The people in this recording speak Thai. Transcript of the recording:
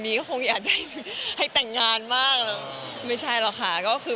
ไหมคงอยากให้นั่งงานมาก